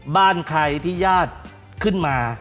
บ้านใครที่ญาติขึ้นมา